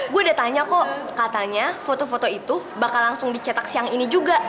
gue udah tanya kok katanya foto foto itu bakal langsung dicetak siang ini juga